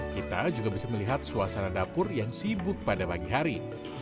kita juga bisa melihat suasana dapur yang sibuk pada pagi hari